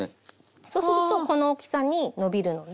そうするとこの大きさにのびるので。